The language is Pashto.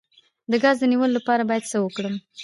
د ګاز د نیولو لپاره باید څه وکړم؟